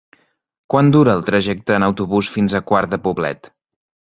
Quant dura el trajecte en autobús fins a Quart de Poblet?